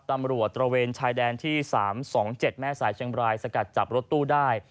ตระเวนชายแดนที่๓๒๗แม่สายเชียงบรายสกัดจับรถตู้ได้